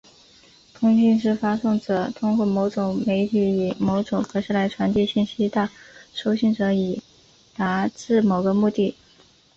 通信是发送者通过某种媒体以某种格式来传递信息到收信者以达致某个目的。